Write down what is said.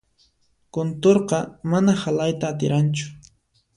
Kunturqa mana halayta atiranchu.